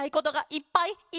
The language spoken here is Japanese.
いっぱい！